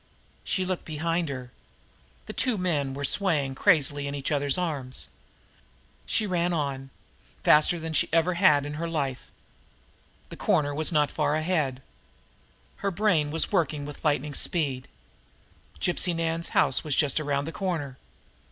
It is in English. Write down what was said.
She looked behind her. The two men were swaying around crazily in each other's arms. She ran on faster than she had ever run in her life. The corner was not far ahead. Her brain was working with lightning speed. Gypsy Nan's house was just around the corner.